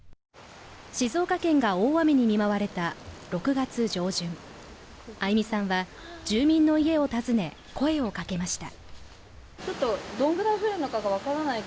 静岡県が大雨に見舞われた６月上旬愛美さんは住民の家を訪ね、声をかけました。